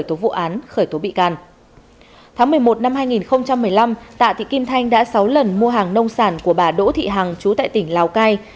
thanh đã sáu lần mua hàng nông sản của bà đỗ thị hằng trú tại tỉnh lào cai